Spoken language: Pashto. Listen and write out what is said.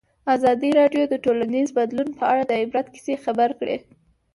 ازادي راډیو د ټولنیز بدلون په اړه د عبرت کیسې خبر کړي.